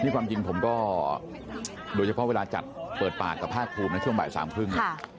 ความจริงผมก็โดยเฉพาะเวลาจัดเปิดปากกับภาคภูมินะช่วงบ่ายสามครึ่ง